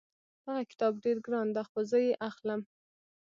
دغه کتاب ډېر ګران ده خو زه یې اخلم